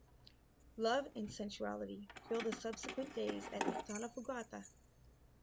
Love and sensuality fill the subsequent days at Donnafugata.